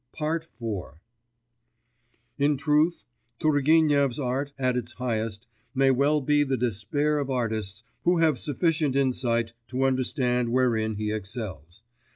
IV In truth, Turgenev's art at its highest may well be the despair of artists who have sufficient insight to understand wherein he excels.